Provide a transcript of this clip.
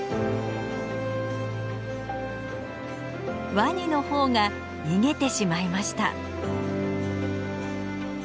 ワニのほうが逃げてしまいました。